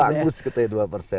bagus katanya dua persen